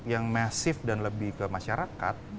yang masif dan lebih ke masyarakat